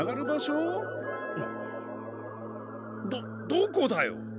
どどこだよ？